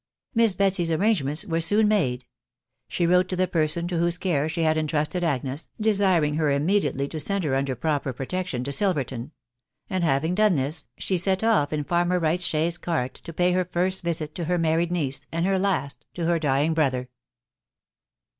Miss Betsy's arrangements were soon made. She wrote to the person to whose care she had intrusted Agnes, desiring her immediately to send her under proper protection to Silverton ; and having done this, she set off in farmer Wright's chaise cart to pay her first visit to her married niece, and her last to her dying brother.